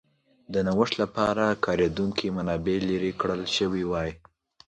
د نوښت لپاره کارېدونکې منابع لرې کړل شوې وای.